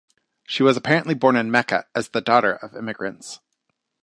She was apparently born in Mecca as the daughter of immigrants.